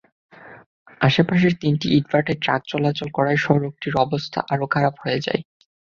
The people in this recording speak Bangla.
আশপাশের তিনটি ইটভাটায় ট্রাক চলাচল করায় সড়কটি অবস্থা আরও খারাপ হয়ে যায়।